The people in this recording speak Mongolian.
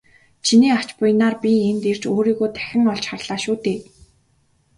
Чиний ач буянаар би энд ирж өөрийгөө дахин олж харлаа шүү дээ.